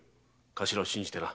頭を信じてな。